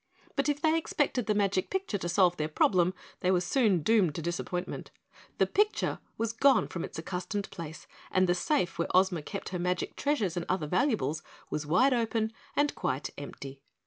But if they expected the magic picture to solve their problem they were soon doomed to disappointment. The picture was gone from its accustomed place and the safe where Ozma kept her magic treasures and other valuables was wide open and quite empty.